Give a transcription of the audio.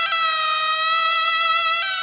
ทางนอก